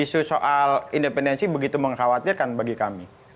isu soal independensi begitu mengkhawatirkan bagi kami